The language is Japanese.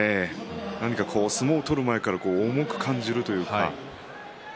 何か相撲を取る前から重く感じるというか。